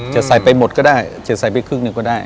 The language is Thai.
จะใส่ไปหมดก็ได้จะใส่ไปครึ่งหนึ่งก็ได้